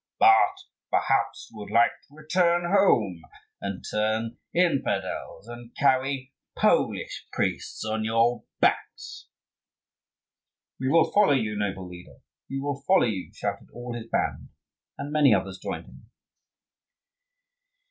But, perhaps, you would like to return home, and turn infidels, and carry Polish priests on your backs?" "We will follow you, noble leader, we will follow you!" shouted all his band, and many others joined them.